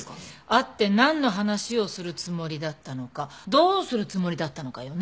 会ってなんの話をするつもりだったのかどうするつもりだったのかよね。